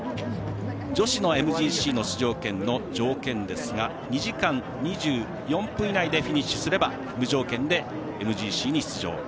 女子のＭＧＣの出場権の条件ですが２時間２４分以内でフィニッシュすれば無条件でＭＧＣに出場。